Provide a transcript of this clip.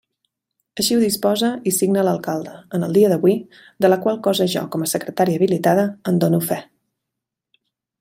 Així ho disposa i signa l'alcalde, en el dia d'avui, de la qual cosa jo, com a secretària habilitada, en dono fe.